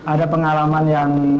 ada pengalaman yang